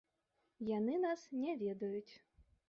Яны нас не ведаюць.